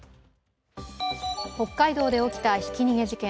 北海道で起きたひき逃げ事件。